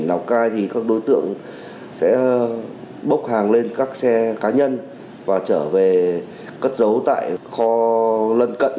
lào cai thì các đối tượng sẽ bốc hàng lên các xe cá nhân và trở về cất giấu tại kho lân cận